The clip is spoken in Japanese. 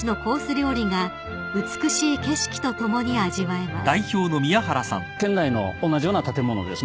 料理が美しい景色と共に味わえます］